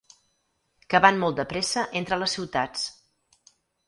Que van molt de pressa entre les ciutats.